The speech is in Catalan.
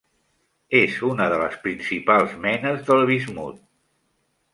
És una de les principals menes de bismut.